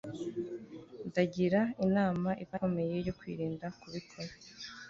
Ndagira inama ikomeye yo kwirinda kubikora